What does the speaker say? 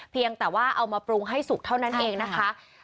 เพียงแต่ว่าเอามาปรุงให้สุกเท่านั้นเองนะคะ